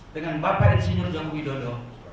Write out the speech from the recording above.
dengan bapak insinyur jombogidodo